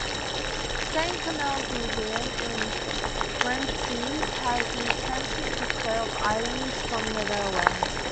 Saint Connell's Museum, in Glenties has an extensive display of items from the railway.